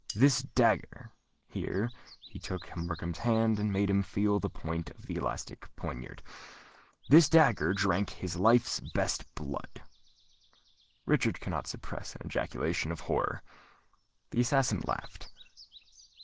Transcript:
This dagger——" here he took Markham's hand, and made him feel the point of the elastic poniard,—"this dagger drank his life's best blood!" Richard could not suppress an ejaculation of horror. The assassin laughed.